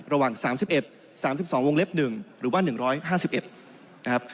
ระหว่าง๓๑๓๒วงเล็บ๑หรือว่า๑๕๑